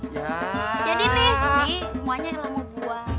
jadi nih ini semuanya yang mau dibuang